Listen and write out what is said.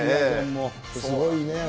すごいね。